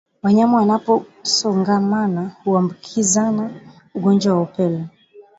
Wanyama wanaposongamana huambukizana ugonjwa wa upele